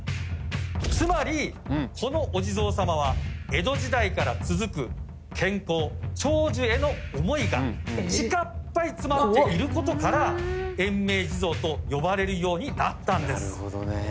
つまりこのお地蔵様は江戸時代から続く健康長寿への思いがちかっぱい詰まっていることから延命地蔵と呼ばれるようになったんです。